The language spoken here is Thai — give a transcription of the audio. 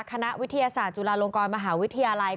คณะวิทยาศาสตร์จุฬาลงกรมหาวิทยาลัย